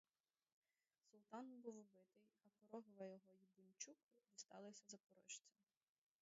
Султан був убитий, а корогва його й бунчук дісталися запорожцям.